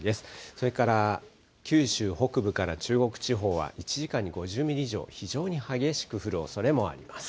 それから九州北部から中国地方は１時間に５０ミリ以上、非常に激しく降るおそれもあります。